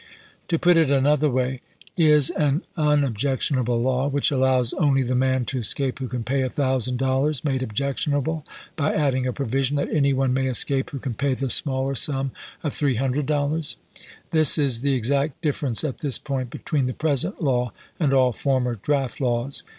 To put it another way: is an unobjectionable law which allows only the man to escape who can pay a thousand dollars made ob jectionable by adding a provision that any one may escape who can pay the smaller sum of three hundred dollars f This is the exact difference at this point between the present law and all former draft laws.